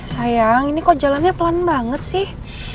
sayang ini kok jalannya pelan banget sih